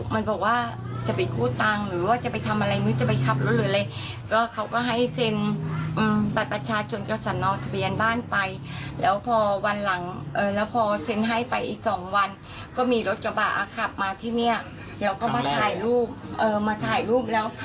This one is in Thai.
มาที่เนี้ยเดี๋ยวก็มาถ่ายรูปเออมาถ่ายรูปแล้ว